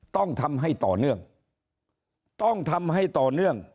ต้องทำให้ต่อเนื่องต้องทำให้ต่อเนื่อง